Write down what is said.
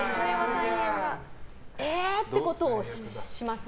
えー！ってことをしますね。